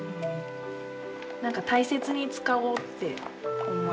何か大切に使おうって思いますね。